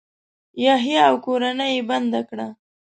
یحیی او کورنۍ یې بنده کړه.